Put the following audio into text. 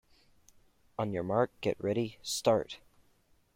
On your mark, get ready, start.